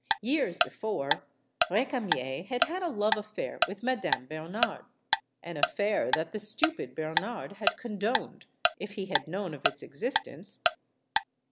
Years before, Recamier had had a love affair with Madame Bernard ; an affair that the stupid Bernard had condoned, if he had known of its existence.